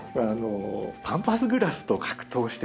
パンパスグラスと格闘していた。